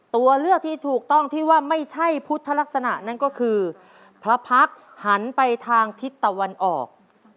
ตัวเลือกที่ถูกต้องที่ว่าไม่ใช่พุทธลักษณะนั่นก็คือพระพักษ์หันไปทางทิศตะวันออก